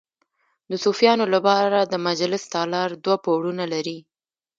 د صوفیانو لپاره د مجلس تالار دوه پوړونه لري.